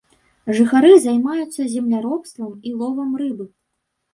Жыхары займаюцца земляробствам і ловам рыбы.